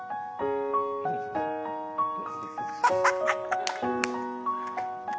ハハハハッ。